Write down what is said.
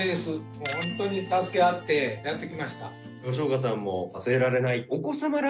もうホントに助け合ってやってきました。